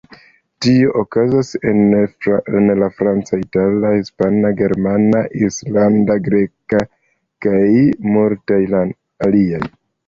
Tio okazas en la franca, itala, hispana, germana, islanda, greka, kaj multaj aliaj.